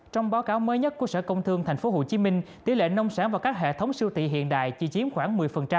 trong báo cáo mới nhất của sở công thương tp hcm tỷ lệ nông sản vào các hệ thống siêu tị hiện đại chỉ chiếm khoảng một mươi